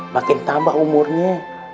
makin tambah umurnya